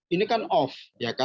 ini kan off